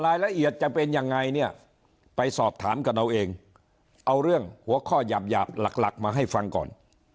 รายละเอียดจะเป็นยังไงเนี่ยไปสอบถามกันเอาเองเอาเรื่องหัวข้อหยาบหยาบหลักหลักมาให้ฟังก่อน